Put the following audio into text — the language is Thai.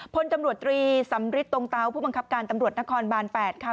พลตำรวจตรีสำริทตรงเตาผู้บังคับการตำรวจนครบาน๘ค่ะ